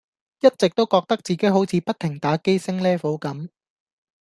一直都覺得自己好似不停打機升 Level 咁